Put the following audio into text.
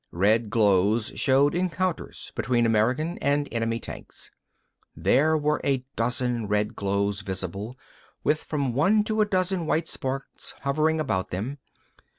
Red glows showed encounters between American and enemy tanks. There were a dozen red glows visible, with from one to a dozen white sparks hovering about them.